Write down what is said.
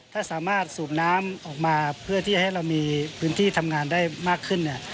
ถ้าสามารถสูบน้ำออกมาเพื่อที่ให้เรามีพื้นที่ทำงานได้มากขึ้นเนี่ย